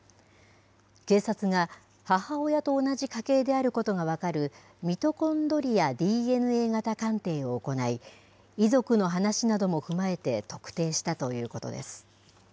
警察が、母親と同じ家系であることが分かるミトコンドリアＤＮＡ型鑑定を行い、遺族の話なども踏まえて特定したということです。